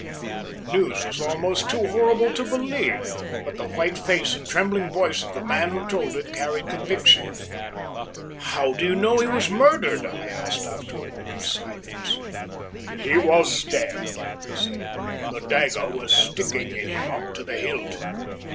The news was almost too horrible to believe; but the white face and trembling voice of the man who told it, carried conviction. "How do you know he was murdered," I asked, after a moment's silence. "He was stabbed," he said; "the dagger was sticking in him up to the hilt."